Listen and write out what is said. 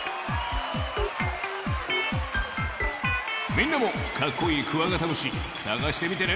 みんなもかっこいいクワガタムシさがしてみてね！